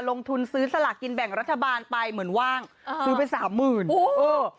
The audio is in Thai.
ลงทุนซื้อสลากกินแบ่งรัฐบาลไปเหมือนว่างอ่าซื้อไปสามหมื่นโอ้โหเออ